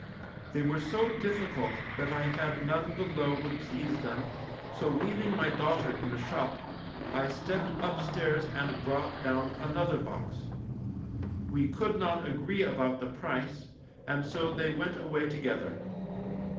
They were so difficult that I had none below would please them, so leaving my daughter in the shop, I stepped upstairs and brought down another box. We could not agree about the price, and so they went away together.